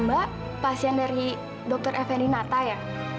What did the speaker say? mbak pasien dari dokter fninata ya